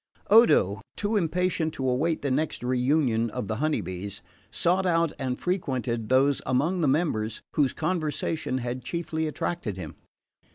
Odo, too impatient to await the next reunion of the Honey Bees, sought out and frequented those among the members whose conversation had chiefly attracted him.